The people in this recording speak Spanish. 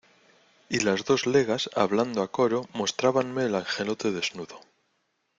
y las dos legas, hablando a coro , mostrábanme el angelote desnudo